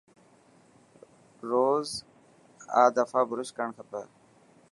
روز آ دفا برش ڪرڻ کپي.